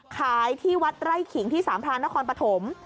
ขายที่วัดไร่ขิงที่สามพรานนครปฐม